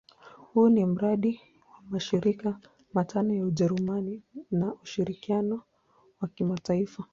Huu ni mradi wa mashirika matano ya Ujerumani ya ushirikiano wa kimataifa.